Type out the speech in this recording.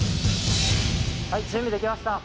はい準備できました。